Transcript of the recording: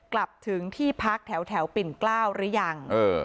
กลับถึงที่พักแถวแถวปิ่นกล้าวหรือยังเออ